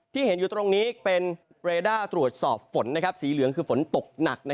ที่เห็นอยู่ตรงนี้เป็นเรด้าตรวจสอบฝนสีเหลืองคือฝนตกหนัก